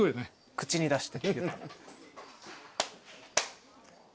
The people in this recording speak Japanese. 口に出して。